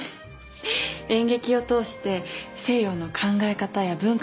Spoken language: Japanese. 演劇を通して西洋の考え方や文化を広めるの。